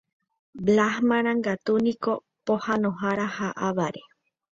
Blas Marangatu niko pohãnohára ha avare.